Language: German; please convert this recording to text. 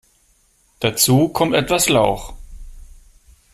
Dazu kommt etwas Lauch.